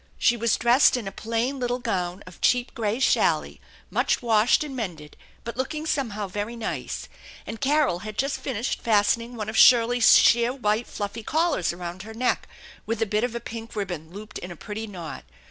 She was dressed in a plain little gown of cheap gray challis, much washed and mended, but looking somehow very nice; and Carol had just finished fastening one of Shirley's sheer white fluffy collars around her neck, with a bit of a pink ribbon looped in a pretty knot.